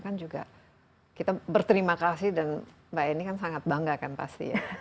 kan juga kita berterima kasih dan mbak eni kan sangat bangga kan pasti ya